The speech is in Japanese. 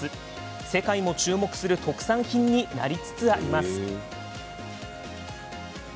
世界も注目する特産品になりつつあります。